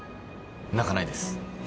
泣かないです。